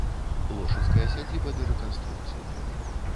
Лошыцкая сядзіба да рэканструкцыі.